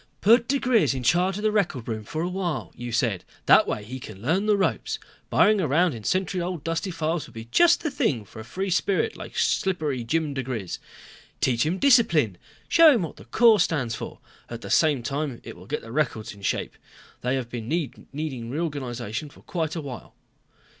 "Put diGriz in charge of the record room for a while, you said, that way he can learn the ropes. Burrowing around in century old, dusty files will be just the thing for a free spirit like Slippery Jim diGriz. Teach him discipline. Show him what the Corps stands for. At the same time it will get the records in shape. They have been needing reorganization for quite a while."